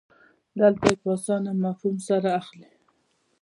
دلته یې په اسانه مفهوم سره اخلئ.